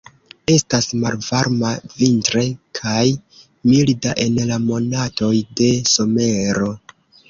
Estas malvarma vintre kaj milda en la monatoj de somero.